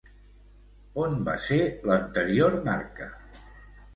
On va ser l'anterior marca?